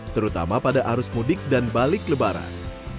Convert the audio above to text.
terutama pada arus mudik dan balik lebaran